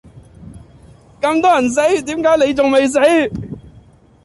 咁多人死點解你仲未死？